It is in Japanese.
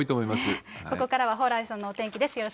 ここからは蓬莱さんのお天気